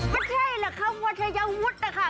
มันใช่หรอกค่ะวันทยาวุฒินะคะ